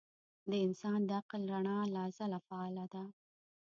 د انسان د عقل رڼا له ازله فعاله ده.